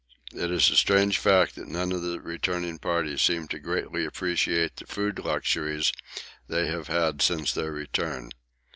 It is a strange fact that none of the returning party seem to greatly appreciate the food luxuries they have had since their return.